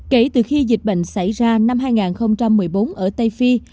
kể từ khi dịch bệnh xảy ra năm hai nghìn một mươi bốn ở tây phi